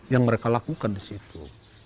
yang mereka lakukan di situ